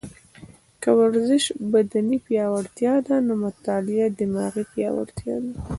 که ورزش بدني پیاوړتیا ده، نو مطاله دماغي پیاوړتیا ده